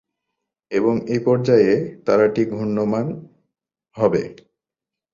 এবং এই পর্যায়ে তারাটি ঘূর্ণায়মান হবে।